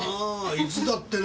いつだってね